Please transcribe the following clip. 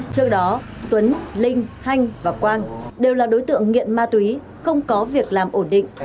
trước đó tuấn linh hanh và quang đều là đối tượng nghiện ma túy không có việc làm ổn định